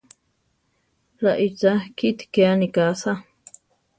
Raícha kíti ke aníka asá!